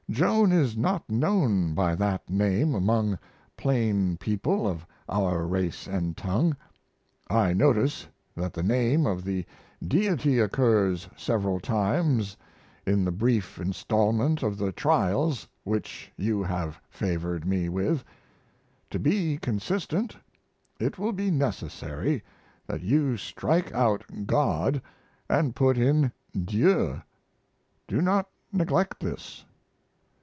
Joan is not known by that name among plain people of our race & tongue. I notice that the name of the Deity occurs several times in the brief instalment of the Trials which you have favored me with. To be consistent, it will be necessary that you strike out "God" & put in "Dieu." Do not neglect this.